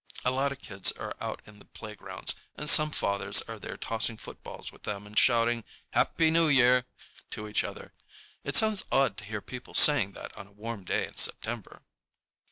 A lot of kids are out in the playgrounds, and some fathers are there tossing footballs with them and shouting "Happy New Year" to each other. It sounds odd to hear people saying that on a warm day in September.